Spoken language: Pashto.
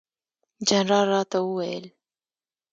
جنرال راته وویل.